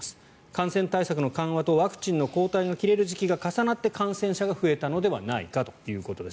感染対策の緩和とワクチンの抗体の切れる時期が重なって感染者が増えたのではないかということです。